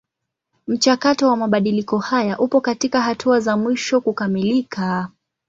Mchakato wa mabadiliko haya upo katika hatua za mwisho kukamilika.